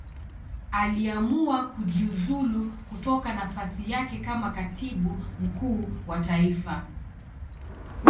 Aliamua kujiuzulu kutoka nafasi yake kama Katibu Mkuu wa Taifa.